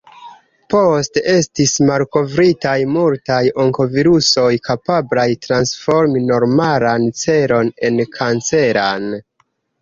Poste estis malkovritaj multaj onkovirusoj, kapablaj transformi normalan ĉelon en kanceran.